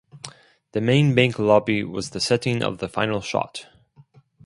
The main bank lobby was the setting of the final shot.